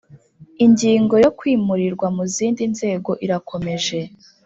ingingo yo kwimurirwa mu zindi nzego irakomeje